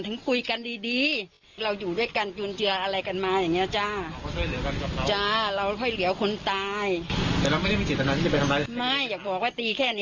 หน้าต้องได้ไม่มีจิตทั้งนั้นที่จะไปทำงาน